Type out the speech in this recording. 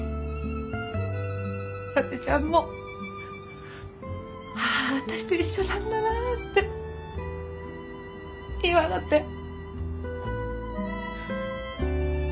伊達ちゃんもああ私と一緒なんだなって今わかったよ。